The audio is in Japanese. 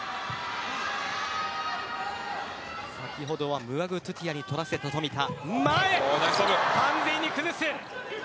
先ほどはムアグトゥティアに取らせた富田。